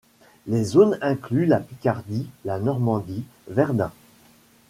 Ces zones incluent la Picardie, la Normandie, Verdun.